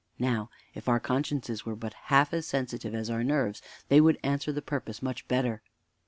Now, if our consciences were but half as sensitive as our nerves, they would answer the purpose much better.